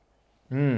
うん。